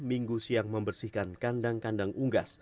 minggu siang membersihkan kandang kandang unggas